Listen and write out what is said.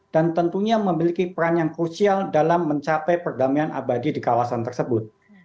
dan tentunya memiliki peran yang krusial dalam mencapai perdamaian abadi di kawasan tersebut